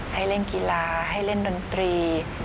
ให้เล่นกีฬาให้เล่นดนตรี